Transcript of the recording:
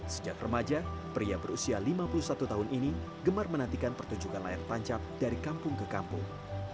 sejak remaja pria berusia lima puluh satu tahun ini gemar menantikan pertunjukan layar tancap dari kampung ke kampung